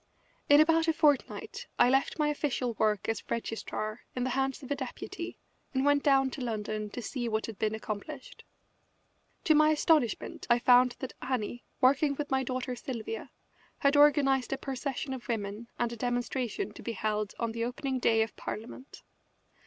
In about a fortnight I left my official work as registrar in the hands of a deputy and went down to London to see what had been accomplished. To my astonishment I found that Annie, working with my daughter Sylvia, had organised a procession of women and a demonstration to be held on the opening day of Parliament.